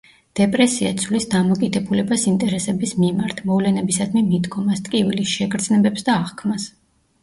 დეპრესია ცვლის დამოკიდებულებას ინტერესების მიმართ, მოვლენებისადმი მიდგომას, ტკივილის შეგრძნებებს და აღქმას.